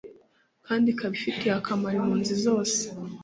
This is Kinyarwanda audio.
kandi ikaba ifitiye akamaro impunzi zose